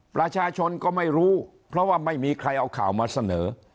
ประชาชนก็ไม่รู้เพราะว่าไม่มีใครเอาข่าวมาเสนอ